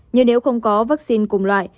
nhưng nếu không có vaccine cùng loại